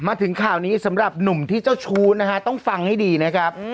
มาถึงข่าวนี้สำหรับหนุ่มที่เจ้าชู้นะฮะต้องฟังให้ดีนะครับ